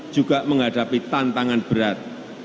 juga menghadapi tantangan berat